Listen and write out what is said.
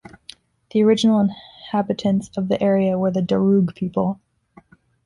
The original inhabitants of the area were the Darug people.